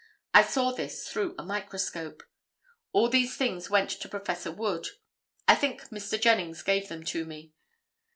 I saw this through a microscope. All these things went to Prof. Wood. I think Mr. Jennings gave them to me.